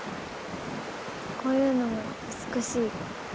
こういうのも美しい。